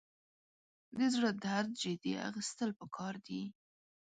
د زړه درد جدي اخیستل پکار دي.